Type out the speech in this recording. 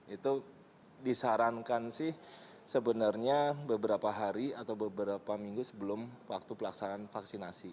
itu disarankan sih sebenarnya beberapa hari atau beberapa minggu sebelum waktu pelaksanaan vaksinasi